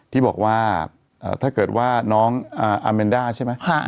ที่บอกว่าถ้าเกิดว่าน้องอาเมนด้าใช่ไหม